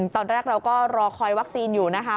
ตอนแรกเราก็รอคอยวัคซีนอยู่นะคะ